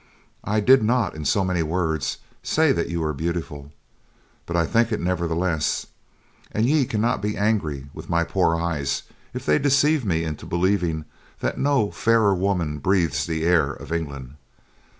I did not, in so many words, say that you are beautiful, but I think it nevertheless, and ye cannot be angry with my poor eyes if they deceive me into believing that no fairer woman breathes the air of England.